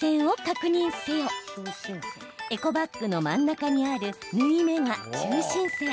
エコバッグの真ん中にある縫い目が中心線。